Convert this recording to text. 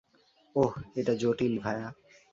ওহ, এটা জটিল, ভায়া।